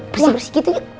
bersih bersih gitu yuk